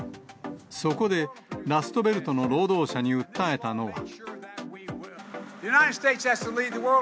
そこで、ラストベルトの労働者に訴えたのは。